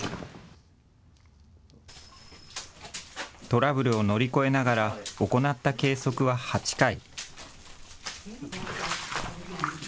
トラブルを乗り越えながら行った計測は８回。